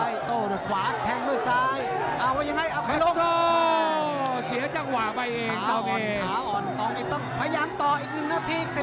ยังแทงเข้าขวานี่มันเข้าเห็นเลยตรงเอ